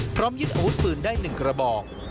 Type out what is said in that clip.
พร้อมยึดหตุปืนได้๑กระบอง